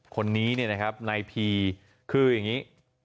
คนนี้นะครับไนพีคือยังนี้